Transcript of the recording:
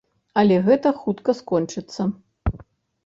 Але гэта хутка скончыцца.